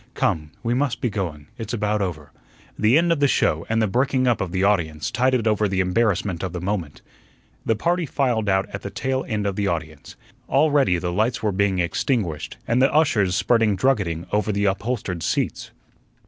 "Come, we must be going. It's about over." The end of the show and the breaking up of the audience tided over the embarrassment of the moment. The party filed out at the tail end of the audience. Already the lights were being extinguished and the ushers spreading druggeting over the upholstered seats.